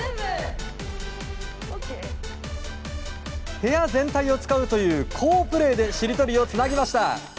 部屋全体を使うという好プレーでしりとりをつなぎました。